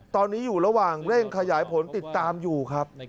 ตอนนี้อยู่ระหว่างเร่งขยายผลติดตามอยู่ครับ